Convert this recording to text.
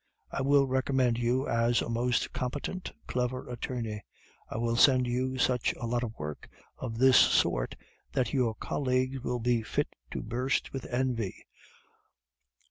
I will recommend you as a most competent, clever attorney. I will send you such a lot of work of this sort that your colleagues will be fit to burst with envy.